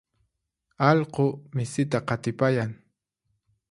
allqu misita qatipayan.